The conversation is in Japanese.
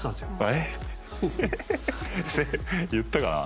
えっ、言ったかな？